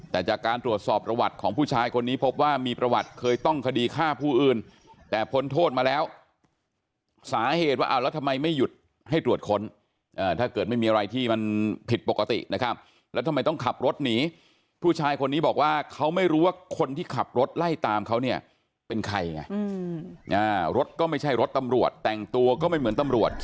แต่จากการตรวจสอบประวัติของผู้ชายคนนี้พบว่ามีประวัติเคยต้องคดีฆ่าผู้อื่นแต่พ้นโทษมาแล้วสาเหตุว่าเอาแล้วทำไมไม่หยุดให้ตรวจค้นถ้าเกิดไม่มีอะไรที่มันผิดปกตินะครับแล้วทำไมต้องขับรถหนีผู้ชายคนนี้บอกว่าเขาไม่รู้ว่าคนที่ขับรถไล่ตามเขาเนี่ยเป็นใครไงรถก็ไม่ใช่รถตำรวจแต่งตัวก็ไม่เหมือนตำรวจ